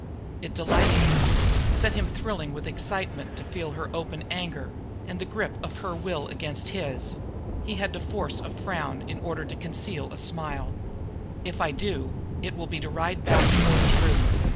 It delighted him set him thrilling with excitement to feel her open anger and the grip of her will against his; he had to force a frown in order to conceal a smile. "If I do, it will be to ride back toward Drew."